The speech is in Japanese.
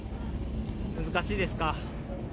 難しいですか。